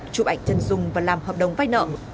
chụp ảnh chân dung và làm hợp đồng vay nợ